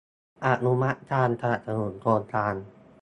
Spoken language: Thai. อนุมัติการสนับสนุนโครงการ